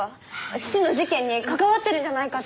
父の事件に関わってるんじゃないかって。